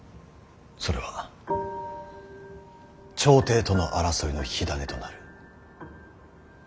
それは朝廷との争いの火種となる。